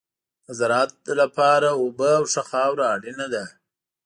د زراعت لپاره اوبه او ښه خاوره اړینه ده.